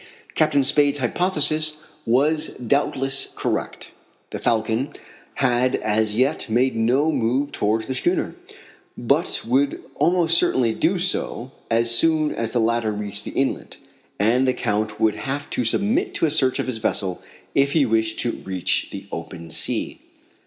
Captain Spade's hypothesis was doubtless correct. The Falcon had as yet made no move towards the schooner, but would almost certainly do so as soon as the latter reached the inlet, and the Count would have to submit to a search of his vessel if he wished to reach the open sea.